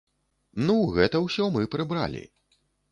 Ну, гэта ўсё мы прыбралі.